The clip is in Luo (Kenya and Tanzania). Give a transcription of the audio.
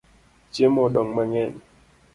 Chiemo odong mangeny